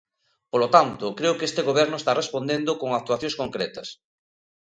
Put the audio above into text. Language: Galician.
Polo tanto, creo que este goberno está respondendo con actuacións concretas.